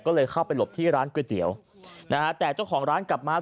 ก็เลยเข้าไปหลบที่ร้านก๋วยเตี๋ยวนะฮะแต่เจ้าของร้านกลับมา